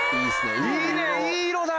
いいねいい色だ！